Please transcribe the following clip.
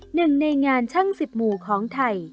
หนึ่งในงานช่างสิบหมู่ของไทย